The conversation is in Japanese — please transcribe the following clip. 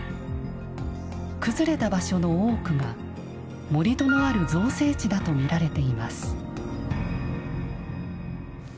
崩れた場所の多くが盛土のある造成地だとみられています。